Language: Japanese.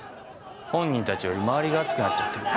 本人たちより周りが熱くなっちゃってるよ。